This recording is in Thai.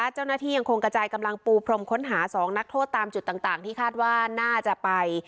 เจ้าหน้าที่ยังคงกระจายกำลังปูพรมค้นหา๒นักโทษตามจุดต่างที่คาดว่าน่าจะไป